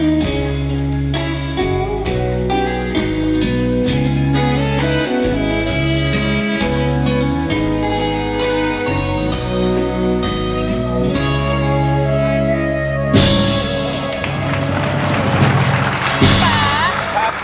สวัสดีครับ